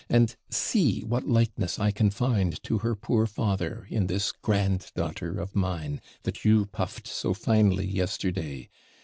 and see what likeness I can find to her poor father in this grand daughter of mine, that you puffed so finely yesterday.